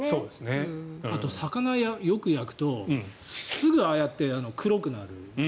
あとは魚を焼くとすぐああやって黒くなる。